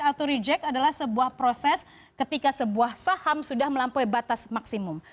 auto reject adalah sebuah proses ketika sebuah saham sudah melampaui batas maksimum